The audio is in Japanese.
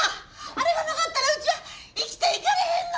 あれがなかったらうちは生きていかれへんの！